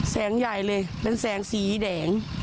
แสงใหญ่เลยเป็นแสงสีแดง